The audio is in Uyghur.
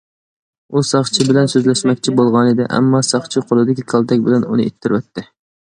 ئۇ ساقچى بىلەن سۆزلەشمەكچى بولغانىدى، ئەمما، ساقچى قولىدىكى كالتەك بىلەن ئۇنى ئىتتىرىۋەتتى.